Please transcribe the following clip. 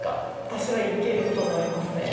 私は行けると思いますね。